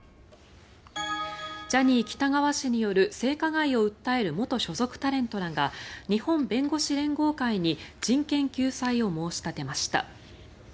ジャニー喜多川氏による性加害を訴える元所属タレントらが日本弁護士連合会に人権救済を申し立てました。